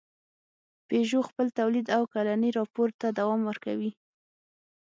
پيژو خپل تولید او کلني راپور ته دوام ورکوي.